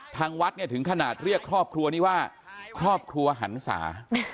ทางวัดเนี่ยถึงขนาดเรียกครอบครัวนี้ว่าครอบครัวหันศา